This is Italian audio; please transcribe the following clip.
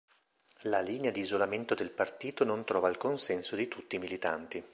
La linea di isolamento del partito non trova il consenso di tutti i militanti.